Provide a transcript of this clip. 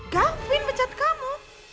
gavin mecat kamu